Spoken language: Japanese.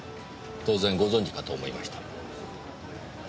当然ご存じかと思いました。